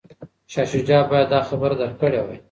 شاه شجاع باید دا خبره درک کړې وای.